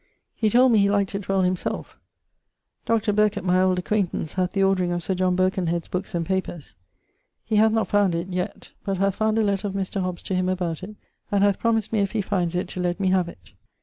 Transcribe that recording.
He told me he liked it well himselfe. Dr. Birket, my old acquaintance, hath the ordering of Sir John Birkenhead's bookes and papers. He hath not found it yet but hath found a letter of Mr. Hobbes to him about it, and hath promised me if he finds it to let me have it.